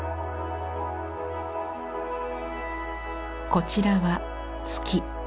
こちらは「月」。